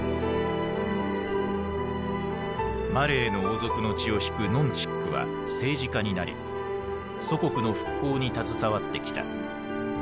マレーの王族の血を引くノン・チックは政治家になり祖国の復興に携わってきた。